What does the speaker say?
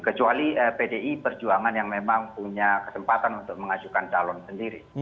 kecuali pdi perjuangan yang memang punya kesempatan untuk mengajukan calon sendiri